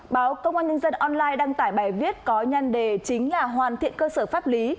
báo công an nhân dân online đăng tải bài viết có nhăn đề chính là hoàn thiện cơ sở pháp lý